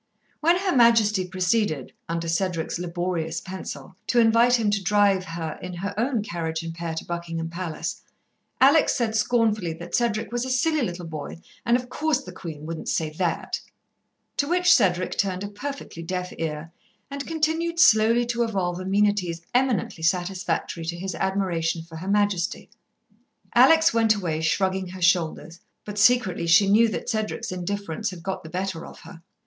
When Her Majesty proceeded, under Cedric's laborious pencil, to invite him to drive her in her own carriage and pair, to Buckingham Palace, Alex said scornfully that Cedric was a silly little boy, and of course the Queen wouldn't say that. To which Cedric turned a perfectly deaf ear, and continued slowly to evolve amenities eminently satisfactory to his admiration for Her Majesty. Alex went away, shrugging her shoulders, but secretly she knew that Cedric's indifference had got the better of her.